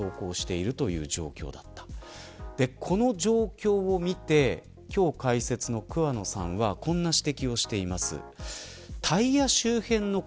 この状況を見て今日、解説の桑野さんはこんな指摘をしています。